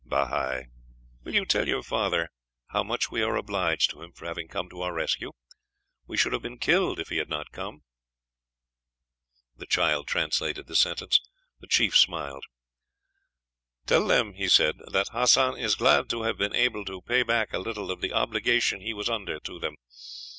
"Bahi, will you tell your father how much we are obliged to him for having come to our rescue. We should have been killed if he had not come." The child translated the sentence. The chief smiled. "Tell them," he said, "that Hassan is glad to have been able to pay back a little of the obligation he was under to them.